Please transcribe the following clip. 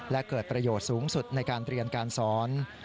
และเกิดประโยชน์สูงสุดในการเรียนการสอน